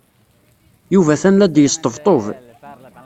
Yuba atan la d-yesṭebṭub.